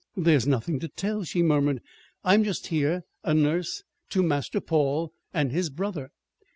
"There's nothing to tell," she murmured. "I'm just here a nurse to Master Paul and his brother."